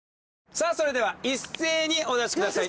さあそれでは一斉にお出しください。